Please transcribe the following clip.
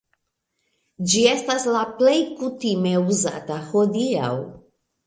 Ĝi estas la plej kutime uzata hodiaŭ.